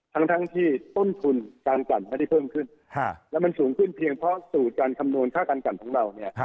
ทั้งที่ต้นทุนการกันไม่ได้เพิ่มขึ้นแล้วมันสูงขึ้นเพียงเพราะสูตรการคำนวณค่าการกันของเราเนี่ย